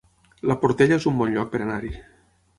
La Portella es un bon lloc per anar-hi